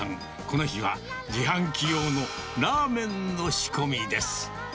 この日は自販機用のラーメンの仕込みです。